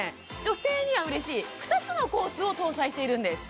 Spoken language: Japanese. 女性には嬉しい２つのコースを搭載しているんです